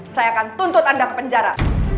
saya akan tuntut anda ke penjara